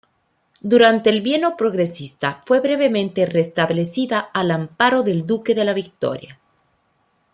Durante el Bienio Progresista fue brevemente restablecida al amparo del Duque de la Victoria.